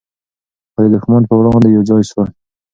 خو د دښمن په وړاندې یو ځای سول.